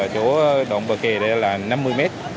của đồng bờ kề đây là năm mươi m